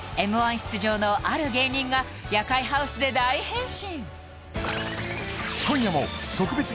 出場のある芸人が夜会ハウスで大変身！